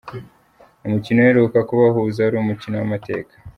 Umukino uheruka kubahuza wari umukino w'amateka.